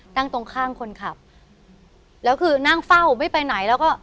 นั่งตรงข้างคนขับแล้วคือนั่งเฝ้าไม่ไปไหนแล้วก็